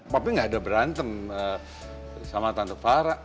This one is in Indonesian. papi gak ada berantem sama tante farah